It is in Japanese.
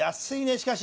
しかし。